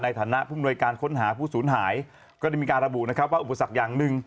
ฐานผู้มนวยการค้นหาผู้สูญหายก็ได้มีการระบุนะครับว่าอุปสรรคอย่างหนึ่ง